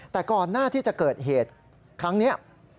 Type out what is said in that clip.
แต่ก่อนหน้าที่จะเกิดเหตุครั้งนี้